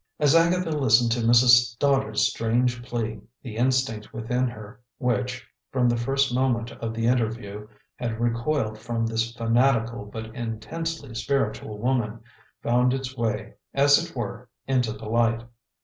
As Agatha listened to Mrs. Stoddard's strange plea, the instinct within her which, from the first moment of the interview, had recoiled from this fanatical but intensely spiritual woman, found its way, as it were, into the light.